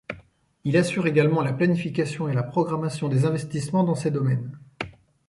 Il assure également la planification et la programmation des investissements dans ces domaines.